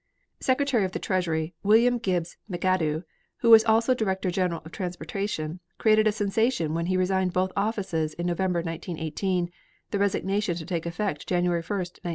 Secretary of the Treasury, William Gibbs McAdoo, who was also Director General of Transportation, created a sensation when he resigned both offices in November, 1918, the resignation to take effect January 1, 1919.